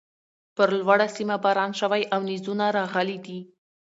پر لوړۀ سيمه باران شوی او نيزونه راغلي دي